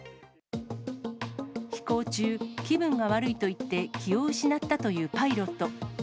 飛行中、気分が悪いと言って気を失ったというパイロット。